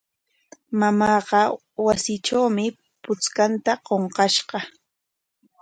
Mamaaqa wasitrawmi puchkanta qunqashqa.